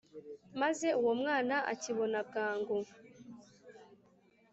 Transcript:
Maze uwo mwana akibona bwangu